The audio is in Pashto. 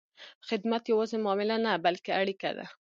خدمت یوازې معامله نه، بلکې اړیکه ده.